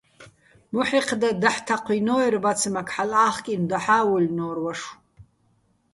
მოჰ̦ეჴდა დაჰ̦ თაჴვინო́ერ ბაცმაქ, ჰ̦ალო̆ ა́ხკინო̆, დაჰ̦ა́ ვუჲლლნო́რ ვაშო̆.